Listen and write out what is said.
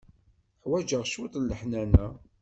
Ḥwaǧeɣ cwiṭ n leḥnana.